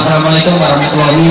sampai hari ini